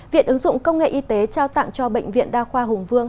viện ứng dụng công nghệ y tế trao tặng cho bệnh viện đa khoa hùng vương